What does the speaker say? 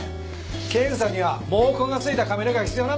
検査には毛根が付いた髪の毛が必要なんだよ。